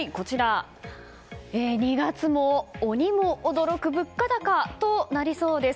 ２月も鬼も驚く物価高となりそうです。